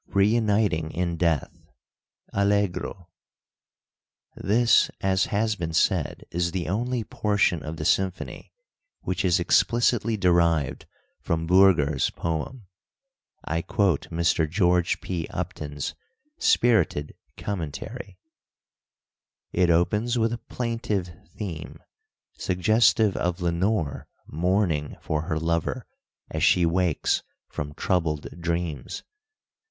REUNITING IN DEATH Allegro This, as has been said, is the only portion of the symphony which is explicitly derived from Bürger's poem. I quote Mr. George P. Upton's spirited commentary: "It opens with a plaintive theme ... suggestive of Lenore mourning for her lover as she wakes from troubled dreams.